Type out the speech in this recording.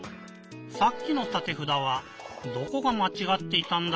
さっきのたてふだはどこがまちがっていたんだろう？